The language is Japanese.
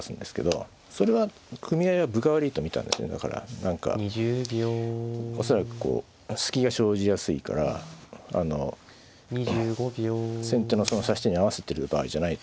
何か恐らくこう隙が生じやすいからあの先手のその指し手に合わせてる場合じゃないと。